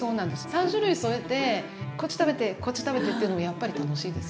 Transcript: ３種類添えてこっち食べてこっち食べてというのもやっぱり楽しいですよ。